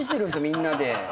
みんなで。